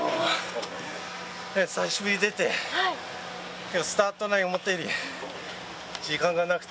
久しぶりに出て、スタートが思ったより時間がなくて。